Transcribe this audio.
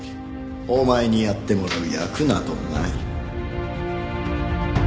お前にやってもらう役などない。